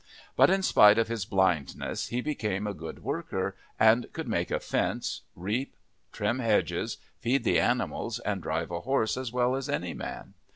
But in spite of his blindness he became a good worker, and could make a fence, reap, trim hedges, feed the animals, and drive a horse as well as any man.